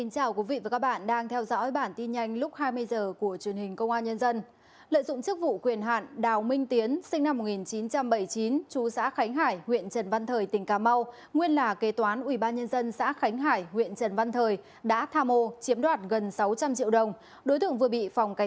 cảm ơn các bạn đã theo dõi